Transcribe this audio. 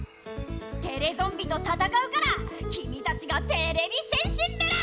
テレゾンビとたたかうからきみたちがてれび戦士メラ！